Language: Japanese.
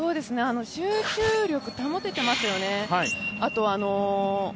集中力、保てていますよね。